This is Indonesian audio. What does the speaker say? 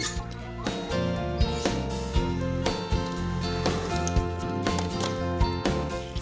bagaimana cara membuat kreasi